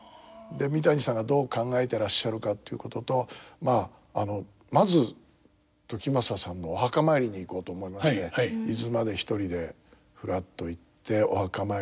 三谷さんがどう考えてらっしゃるかということとまず時政さんのお墓参りに行こうと思いまして伊豆まで一人でふらっと行ってお墓参りをさせていただいて。